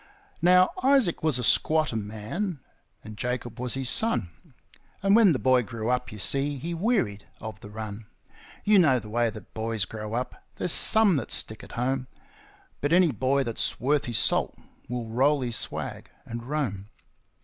Now Isaac was a squatter man, and Jacob was his son, And when the boy grew up, you see, he wearied of the run. You know the way that boys grow up there's some that stick at home; But any boy that's worth his salt will roll his swag and roam.